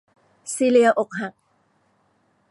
ซีเลียอกหัก